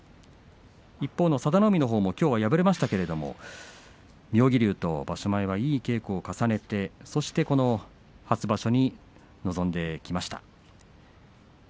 一方の佐田の海のほうも敗れましたけれども妙義龍と場所前は稽古を重ねてそして初場所に臨んできました。